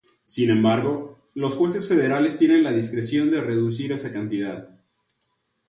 Sin embargo, los jueces federales tienen la discreción de reducir esa cantidad.